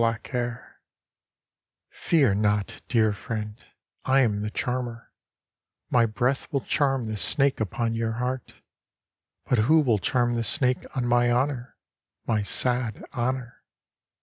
14 BLACK HAIR ^ —Fear not, dear friend, I am the Charmer, My breath will charm the snake upon your heart ; But who will charm the snake on my honour, my sad honour